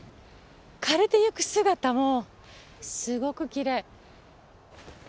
枯れていく姿もすごくきれい。